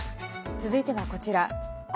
続いてはこちら。